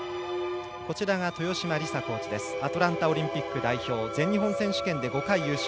豊島リサコーチはアトランタオリンピック代表全日本選手権で５回優勝。